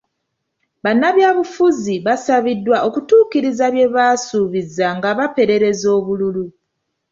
Bannabyabufuzi basabiddwa okutuukiriza bye baasuubiza nga baperereza obululu